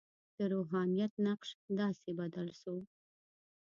د روحانیت نقش داسې بدل شو.